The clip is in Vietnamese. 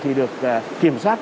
thì được kiểm soát